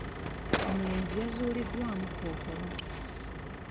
Omulenzi yazuuliddwamu kkookolo.